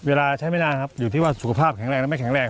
เวลาใช้ไม่ได้ครับอยู่ที่ว่าสุขภาพแข็งแรงหรือไม่แข็งแรง